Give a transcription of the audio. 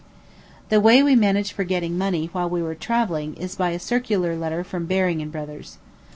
The way we manage for getting money while we are travelling is by a circular letter from Baring & Brothers.